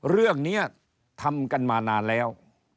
เรื่องนี้ทำกันมานานแล้ว